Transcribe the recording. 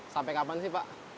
sampai kapan sih pak